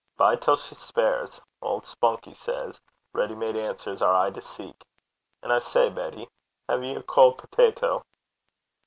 'Bide till she speirs. Auld Spunkie says, "Ready made answers are aye to seek." And I say, Betty, hae ye a cauld pitawta (potato)?'